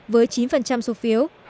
với chín số phiếu